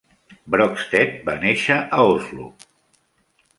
Brockstedt va néixer a Oslo.